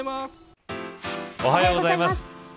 おはようございます。